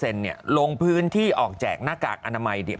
ลงพื้นที่ออกแจกหน้ากากอนามัยเดียว